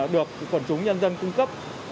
được quần chúng nhân dân cung cấp